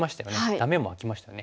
ダメも空きましたね